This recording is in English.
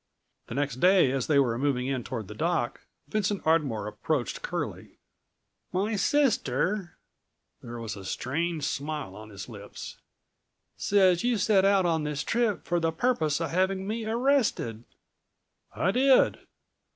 The next day as they were moving in toward the dock, Vincent Ardmore approached Curlie. "My sister," there was a strange smile on his lips, "says you set out on this trip for the purpose of having me arrested?" "I did."